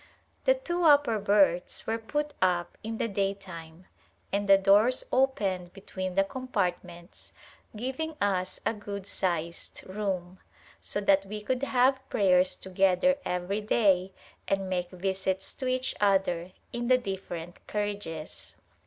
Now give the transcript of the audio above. The two upper berths were put up in the day time and the doors opened between the compartments giving us a good sized room, so that we could have prayers together every day and make visits to each other in the different carriages.